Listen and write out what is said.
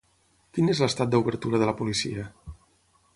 Quin és l'estat d'obertura de la policia?